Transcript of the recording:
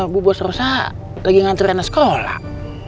bu bos rosa lagi nganturin ke sekolah